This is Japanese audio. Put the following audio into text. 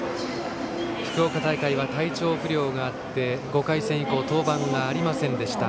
福岡大会は体調不良があって５回戦以降登板がありませんでした。